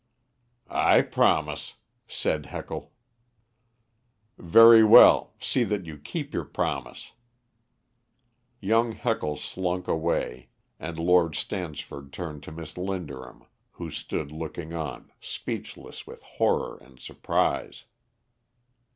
"I promise," said Heckle. "Very well, see that you keep your promise." Young Heckle slunk away, and Lord Stansford turned to Miss Linderham, who stood looking on, speechless with horror and surprise.